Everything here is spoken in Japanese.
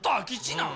なん。